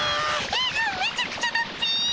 絵がめちゃくちゃだっピ！